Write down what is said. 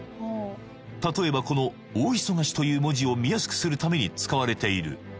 例えばこの「大忙し」という文字を見やすくするために使われている